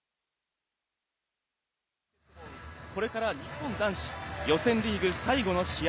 これから日本男子予選リーグ最後の試合。